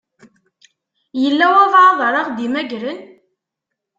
Yella walebɛaḍ ara ɣ-d-imagren?